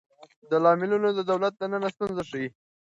دا لاملونه د دولت دننه ستونزې ښيي.